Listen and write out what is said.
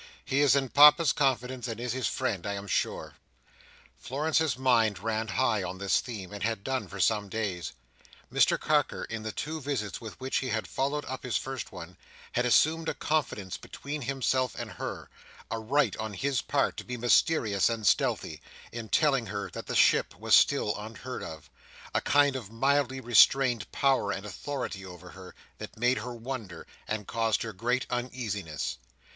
"He is in Papa's confidence, and is his friend, I am sure." Florence's mind ran high on this theme, and had done for some days. Mr Carker, in the two visits with which he had followed up his first one, had assumed a confidence between himself and her—a right on his part to be mysterious and stealthy, in telling her that the ship was still unheard of—a kind of mildly restrained power and authority over her—that made her wonder, and caused her great uneasiness.